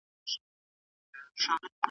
د نفس غوښتني نه پالل کېږي.